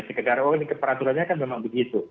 sekedar oh ini peraturannya kan memang begitu